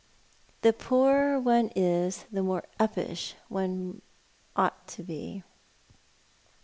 The poorer one is the more uppish one ought to be.